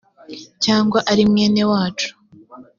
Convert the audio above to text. cyangwa ari mwene wacu